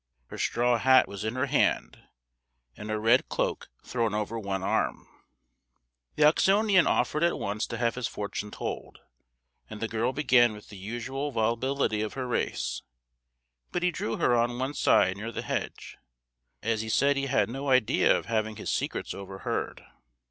Her straw hat was in her hand, and a red cloak thrown over one arm. [Illustration: A Gipsy Girl] The Oxonian offered at once to have his fortune told, and the girl began with the usual volubility of her race; but he drew her on one side near the hedge, as he said he had no idea of having his secrets overheard.